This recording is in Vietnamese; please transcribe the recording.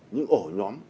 những ổ nhóm